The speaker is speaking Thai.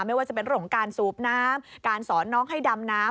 ไม่ว่าจะเป็นเรื่องของการสูบน้ำการสอนน้องให้ดำน้ำ